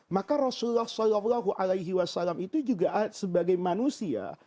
maka rasulullah saw itu juga sebagai manusia